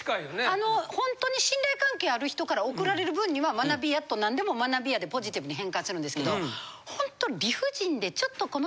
あのホントに信頼関係ある人から怒られる分には学びやと何でも学びやとポジティブに変換するんですけどホント。